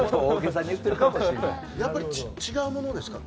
やっぱり違うものですか？